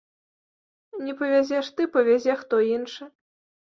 Не павязеш ты, павязе хто іншы!